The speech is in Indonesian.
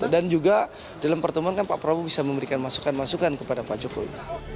dan juga dalam pertemuan kan pak prabowo bisa memberikan masukan masukan kepada pak jokowi